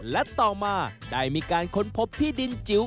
และต่อมาได้มีการค้นพบที่ดินจิ๋ว